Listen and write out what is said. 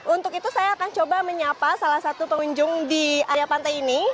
untuk itu saya akan coba menyapa salah satu pengunjung di area pantai ini